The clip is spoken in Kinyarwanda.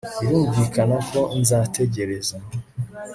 birumvikana ko nzategereza